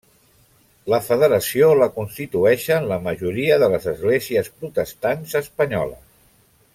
La federació la constitueixen la majoria de les esglésies protestants espanyoles.